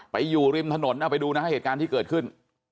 อยู่ริมถนนเอาไปดูนะฮะเหตุการณ์ที่เกิดขึ้น